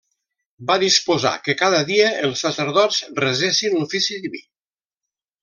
Va disposar que cada dia els sacerdots resessin l'ofici diví.